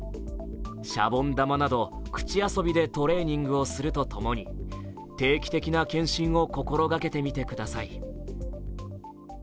しゃぼん玉など、口遊びでトレーニングをするとともに定期的な検診を心がけてみてください。